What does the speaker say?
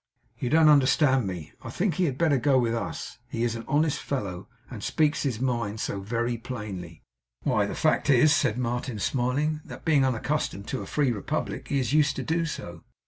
'You don't understand me I think he had better go with us. He is an honest fellow, and speaks his mind so very plainly.' 'Why, the fact is,' said Martin, smiling, 'that being unaccustomed to a free republic, he is used to do so.